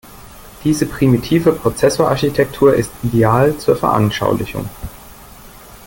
Diese primitive Prozessorarchitektur ist ideal zur Veranschaulichung.